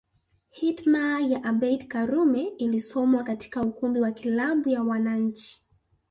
Hitma ya Abeid Karume ilisomwa katika ukumbi wa klabu ya wananchi